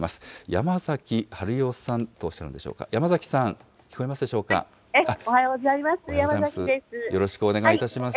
山崎春代さんとおっしゃるんでしょうか、やまざきさん、聞こえまおはようございます。